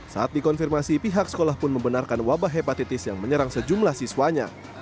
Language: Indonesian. saat dikonfirmasi pihak sekolah pun membenarkan wabah hepatitis yang menyerang sejumlah siswanya